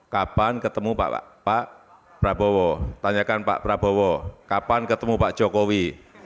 kapan ketemu pak prabowo tanyakan pak prabowo kapan ketemu pak jokowi